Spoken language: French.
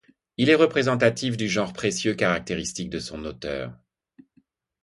Il est représentatif du genre précieux caractéristique de son auteur.